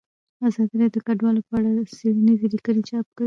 ازادي راډیو د کډوال په اړه څېړنیزې لیکنې چاپ کړي.